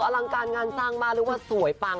อลังการงานจ้างมากเรารู้จักว่าสวยป่าง